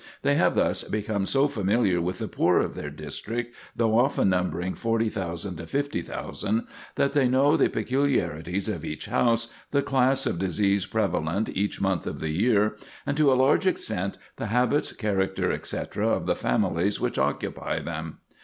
They have thus become so familiar with the poor of their district, though often numbering 40,000 to 50,000, that they know the peculiarities of each house, the class of disease prevalent each month of the year, and to a large extent the habits, character, etc., of the families which occupy them.